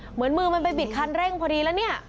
เหมือนมือมันไปบิดคันเร่งพอดีแล้วเนี่ย